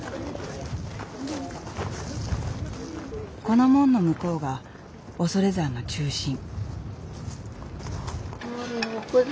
この門の向こうが恐山の中心。